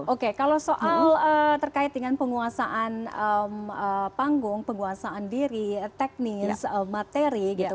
oke kalau soal terkait dengan penguasaan panggung penguasaan diri teknis materi gitu